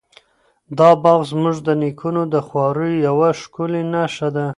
دا باغ زموږ د نیکونو د خواریو یوه ښکلې نښه ده.